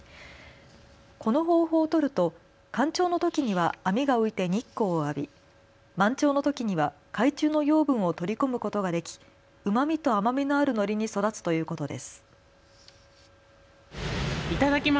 この方法をとると干潮のときには網が浮いて日光を浴び満潮のときには海中の養分を取り込むことができうまみと甘みのあるのりに育つということです。